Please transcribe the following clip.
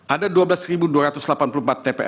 ada dua belas dua ratus dua puluh tempat